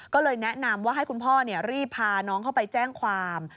ก็เลยแนะนำว่าให้คุณพ่อรีบพาน้องเข้าไปแจ้งความ